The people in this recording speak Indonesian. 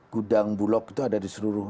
gudang bulog itu ada di seluruh